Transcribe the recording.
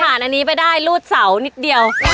อันนี้ไปได้รูดเสานิดเดียว